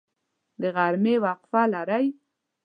د غرمې وقفه لرئ؟